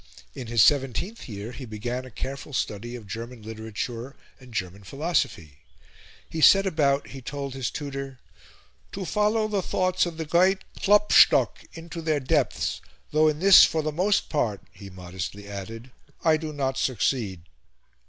In his seventeenth year he began a careful study of German literature and German philosophy. He set about, he told his tutor, "to follow the thoughts of the great Klopstock into their depths though in this, for the most part," he modestly added, "I do not succeed."